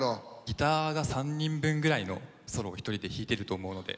ギターが３人分ぐらいのソロを１人で弾いてると思うので。